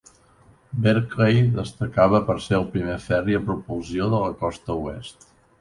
"Berkeley" destacava per ser el primer ferri a propulsió de la costa oest.